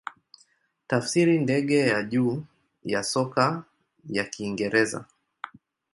Tafsiri ndege ya juu ya soka ya Kiingereza.